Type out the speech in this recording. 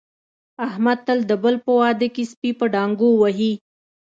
احمد تل د بل په واده کې سپي په ډانګو وهي.